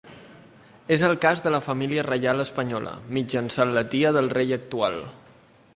És el cas de la família reial espanyola, mitjançant la tia del rei actual.